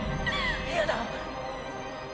嫌だ！